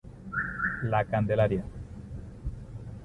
La Candelaria.